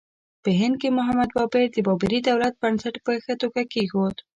په هند کې محمد بابر د بابري دولت بنسټ په ښه توګه کېښود.